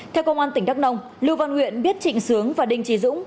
theo công an tỉnh đắk nông lưu văn huyện biết trịnh sướng và đinh trí dũng